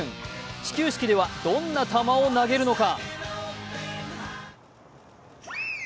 始球式ではどんな球を投げるのか。